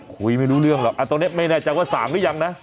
คุยไม่รู้เรื่องหรอกตรงนี้ไม่แน่ใจว่าส่างหรือยังนะ